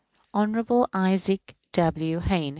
_ Hon. Isaac W. Hayne.